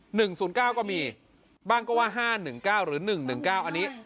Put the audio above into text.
หนึ่งศูนย์เก้าก็มีบ้างก็ว่าห้าหนึ่งเก้าหรือหนึ่งหนึ่งเก้าอันนี้